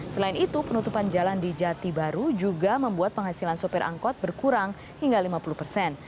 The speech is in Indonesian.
selain itu penutupan jalan di jati baru juga membuat penghasilan sopir angkot berkurang hingga lima puluh persen